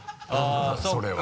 それは。